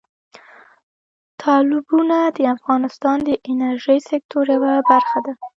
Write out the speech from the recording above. تالابونه د افغانستان د انرژۍ سکتور یوه برخه ده.